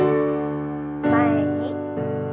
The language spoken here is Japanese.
前に。